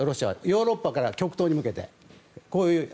ヨーロッパから極東に向けて。